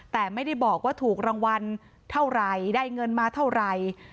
แต่ไม่ได้บอกว่าถูกรางวัลเท่าไหร่ได้เงินมาเท่าไหร่